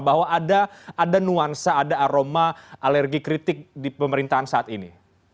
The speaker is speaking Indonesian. bahwa ada nuansa ada aroma alergi kritik di pemerintahan saat ini